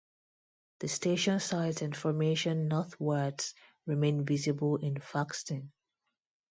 The station site and formation northwards remain visible in Foxton.